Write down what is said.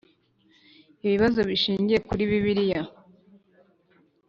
Ibibazo bishingiye kuri Bibiliya